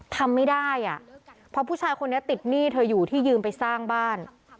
ทำไม่ได้อ่ะเพราะผู้ชายคนนี้ติดหนี้เธออยู่ที่ยืมไปสร้างบ้าน